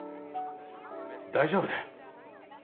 大丈夫だよ。